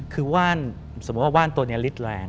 คือว่านสมมุติว่าว่านตัวนี้ฤทธิแรง